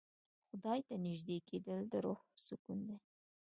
خدای ته نژدې کېدل د روح سکون دی.